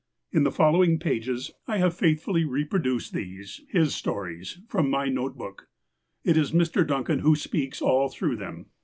In the following pages, I have faithfully reproduced 7 8 INTRODUCTION these, Ills stories, from, my note book. It is Mr. Duncan wlio speaks all through them.